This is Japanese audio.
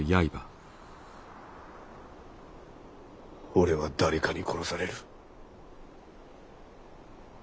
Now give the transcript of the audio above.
俺は誰かに殺される。